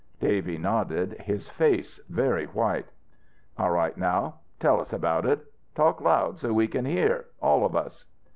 Davy nodded, his face very white. "All right now. Tell us about it. Talk loud so we can hear all of us."